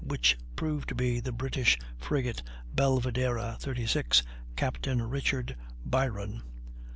which proved to be the British frigate Belvidera, 36, Capt. Richard Byron.